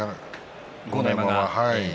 豪ノ山が。